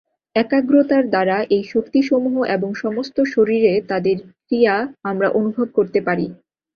একাগ্রতার দ্বারা এই শক্তিসমূহ এবং সমস্ত শরীরে তাদের ক্রিয়া আমরা অনুভব করতে পারি।